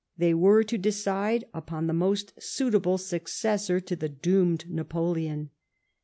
They were to decide upon the most suitable successor to the doomed Napoleon.